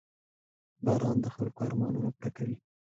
• باران د خلکو ارمانونه پوره کوي.